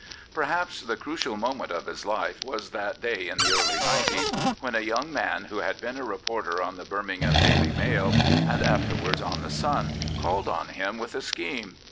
" Perhaps the crucial moment of his life was that day in the early nineties, when a young man who had been a reporter on the Birmingham Daily Mail, and afterwards on the Sun, called on him with a scheme.